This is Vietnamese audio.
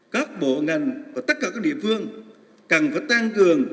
các bộ ngành và tất cả các địa phương cần phải tăng cường